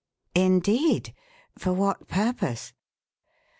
"Indeed? For what purpose?"